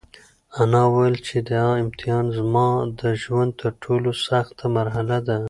انا وویل چې دا امتحان زما د ژوند تر ټولو سخته مرحله ده.